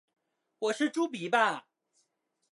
我是猪鼻吧